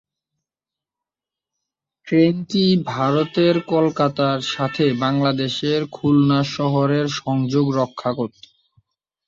ট্রেনটি ভারতের কলকাতার সাথে বাংলাদেশের খুলনা শহরের সংযোগ রক্ষা করত।